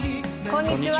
こんにちは。